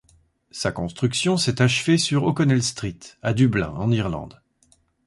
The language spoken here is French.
Sa construction s'est achevée le sur O'Connell Street à Dublin en Irlande.